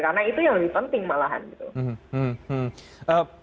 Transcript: karena itu yang lebih penting malahan gitu